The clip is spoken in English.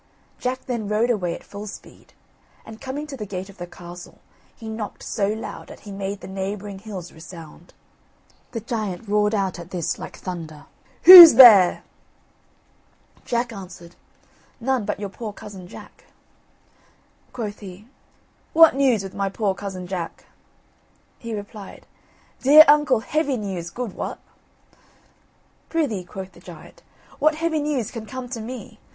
Jack then rode away at full speed, and coming to the gate of the castle, he knocked so loud that he made the neighbouring hills resound. The giant roared out at this like thunder: "Who's there?" Jack answered: "None but your poor cousin Jack." Quoth he: "What news with my poor cousin Jack?" He replied: "Dear uncle, heavy news, God wot!" "Prithee," quoth the giant, "what heavy news can come to me?